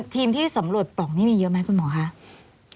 ทีมที่สำรวจปล่องนี่มีเยอะไหมคุณหมอคะ